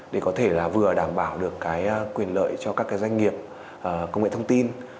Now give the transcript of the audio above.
để có thể là vừa đảm bảo được cái quyền lợi cho các cái doanh nghiệp công nghệ thông tin